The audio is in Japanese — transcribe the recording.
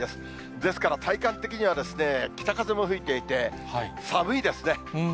ですから体感的には、北風も吹いていて、寒いですね。